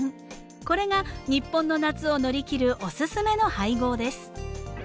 これが日本の夏を乗り切るおすすめの配合です。